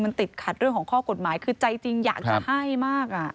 มันติดขัดเรื่องของข้อกฎหมายคือใจจริงอยากจะให้มาก